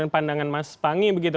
pandangan mas pangy begitu